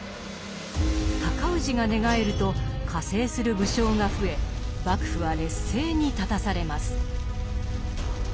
高氏が寝返ると加勢する武将が増え幕府は劣勢に立たされます。